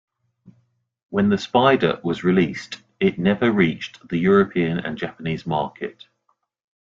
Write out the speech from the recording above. When the Spyder was released, it never reached the European and Japanese market.